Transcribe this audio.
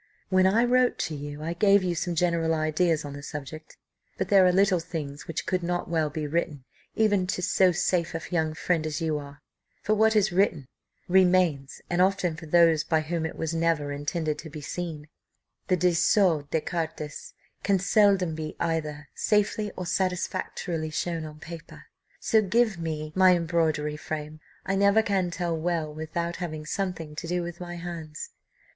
"When I wrote to you, I gave you some general ideas on the subject, but there are little things which could not well be written, even to so safe a young friend as you are, for what is written remains, and often for those by whom it was never intended to be seen; the dessoux des cartes can seldom be either safely or satisfactorily shown on paper, so give me my embroidery frame, I never can tell well without having something to do with my hands."